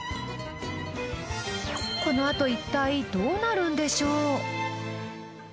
この後一体どうなるんでしょう？